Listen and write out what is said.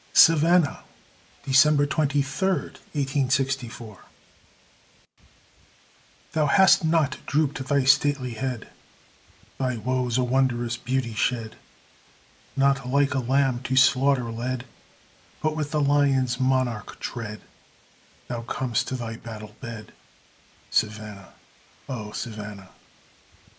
SAVANNAH [December 23, 1864] Thou hast not drooped thy stately head, Thy woes a wondrous beauty shed! Not like a lamb to slaughter led, But with the lion's monarch tread, Thou comest to thy battle bed, Savannah! O Savannah!